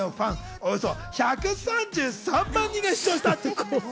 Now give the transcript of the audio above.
およそ１３３万人が視聴したと。